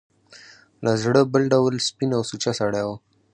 له زړه بل ډول سپین او سوچه سړی و.